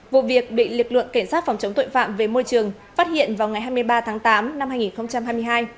vụ việc bị liệt lượng kiểm soát phòng chống tội phạm về môi trường phát hiện vào ngày hai mươi ba tháng tám năm hai nghìn hai mươi hai